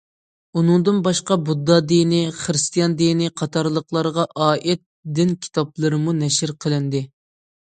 ئۇنىڭدىن باشقا، بۇددا دىنى، خىرىستىيان دىنى قاتارلىقلارغا ئائىت دىن كىتابلىرىمۇ نەشر قىلىندى.